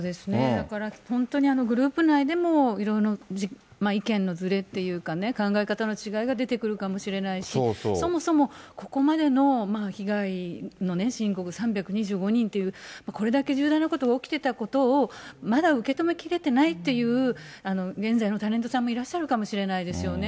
だから本当に、グループ内でもいろいろ意見のずれっていうかね、考え方の違いが出てくるかもしれないし、そもそもここまでの被害の申告、３２５人っていう、これだけ重大なことが起きてたことをまだ受け止めきれてないっていう現在のタレントさんもいらっしゃるかもしれないですよね。